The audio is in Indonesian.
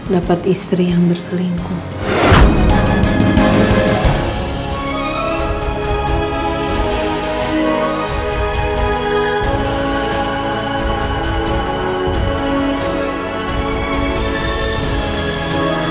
dapat istri yang berselingkuh